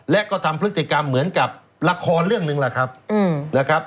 และก็ทำพฤติกรรมเหมือนกับละครเรื่องหนึ่งแหละครับนะครับ